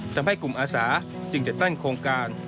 ทำให้กลุ่มอาสาจึงจัดตั้งโครงการ